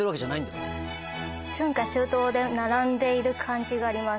春夏秋冬で並んでいる感じがあります。